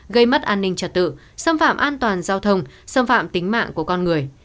gây mất an ninh trật tự xâm phạm an toàn giao thông xâm phạm tính mạng của con người